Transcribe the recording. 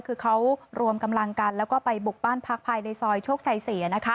เขารวมกำลังการแล้วไปบุกบ้านพักภายในซอยโชกชายเสีย